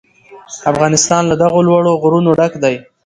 افغانستان له دغو لوړو غرونو ډک دی.